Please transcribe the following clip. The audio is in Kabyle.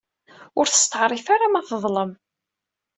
Ur testeɛrif ara ma teḍlem.